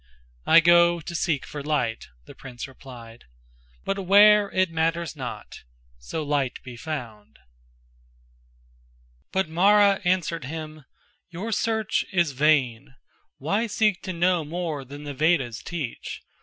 "I go to seek for light," the prince replied, "But where it matters not, so light be found." But Mara answered him: "Your search is vain. Why seek to know more than the Vedas teach?